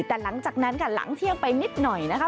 แต่หลังจากนั้นค่ะหลังเที่ยงไปนิดหน่อยนะคะ